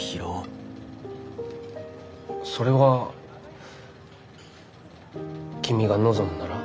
それは君が望むなら。